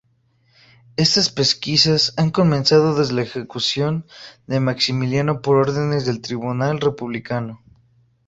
Estas pesquisas han comenzado desde la ejecución de Maximiliano por órdenes del tribunal republicano.